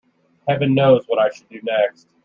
Heaven knows what I should do next.